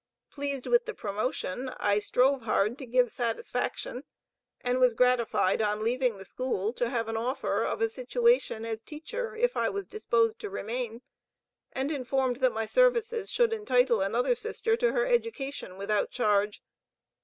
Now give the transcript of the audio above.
Pleased with the promotion, I strove hard to give satisfaction, and was gratified, on leaving the school, to have an offer of a situation as teacher if I was disposed to remain; and informed that my services should entitle another sister to her education, without charge.